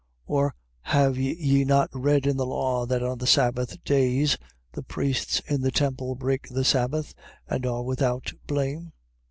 Or have ye not read in the law, that on the sabbath days the priests in the temple break the sabbath, and are without blame?